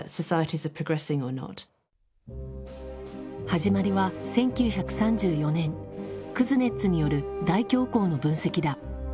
始まりは１９３４年クズネッツによる大恐慌の分析だ。